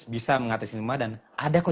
bisa mengatasi semua dan ada kok